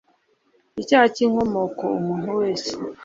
icyaha cy’inkomoko umuntu wese